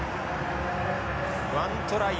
１トライ